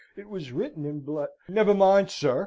It was wrote in bl " "Never mind, sir!"